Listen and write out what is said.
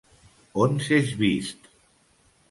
On s'és vist!